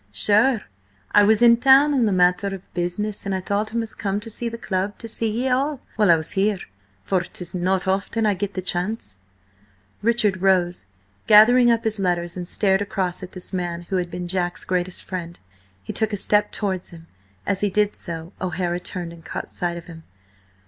"Sure, I was in town on a matter of business, and I thought I must come to the club to see ye all while I was here, for 'tis not often I get the chance—" Richard rose, gathering up his letters and stared across at this man who had been Jack's greatest friend. He took a step towards him. As he did so, O'Hara turned and caught sight of him.